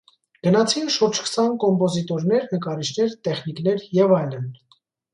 Գնացին շուրջ քսան կոմպոզիտորներ, նկարիչներ, տեխնիկներ և այլն։